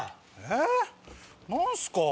えっ⁉何すか？